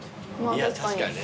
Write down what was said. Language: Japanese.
いや確かに。